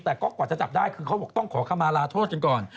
แต่ก่อนจะจับได้คือต้องขอขมาลาโทษกันก่อน